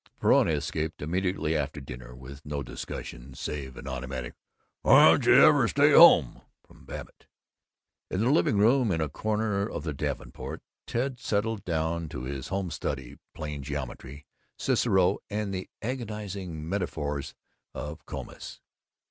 Verona escaped, immediately after dinner, with no discussion save an automatic "Why don't you ever stay home?" from Babbitt. In the living room, in a corner of the davenport, Ted settled down to his Home Study; plain geometry, Cicero, and the agonizing metaphors of Comus.